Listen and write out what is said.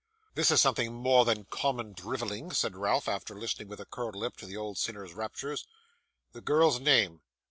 'This is something more than common drivelling,' said Ralph, after listening with a curled lip to the old sinner's raptures. 'The girl's name?